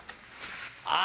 あ！